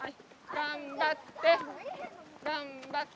頑張って！